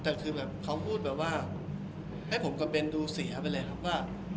แต่คือแบบเขาพูดแบบว่าให้ผมกับเบนดูเสียไปเลยครับว่า